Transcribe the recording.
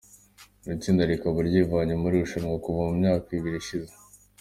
Iri tsinda rikaba ryarivanye muri iri rushanwa kuva mu myaka ibiri ishize.